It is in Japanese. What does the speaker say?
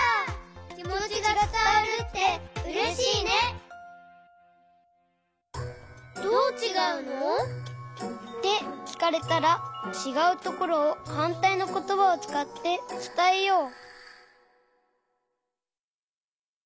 きもちがつたわるってうれしいね！ってきかれたらちがうところをはんたいのことばをつかってつたえよう！